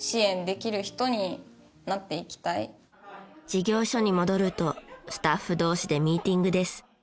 事業所に戻るとスタッフ同士でミーティングです。